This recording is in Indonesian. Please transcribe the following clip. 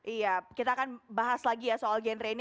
iya kita akan bahas lagi ya soal genre ini